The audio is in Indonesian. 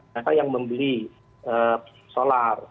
siapa yang membeli solar